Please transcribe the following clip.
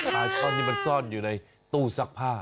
ปลาช่อนที่มันซ่อนอยู่ในตู้ซักผ้า